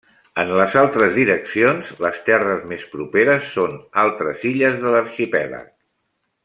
En les altres direccions, les terres més properes són altres illes de l'arxipèlag.